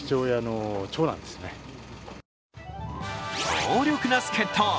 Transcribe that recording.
強力な助っと。